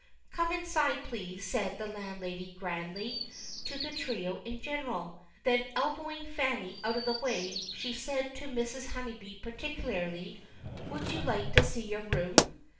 "Come inside, please," said the landlady, grandly, to the trio in general. Then elbowing Fanny out of the way, she said to Mrs. Honeybee particularly: "Would you like to see your room?"